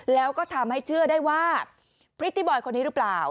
แล้วก็ทำให้เชื่อได้ว่าพริตตี้บอยคนนี้หรือเปล่า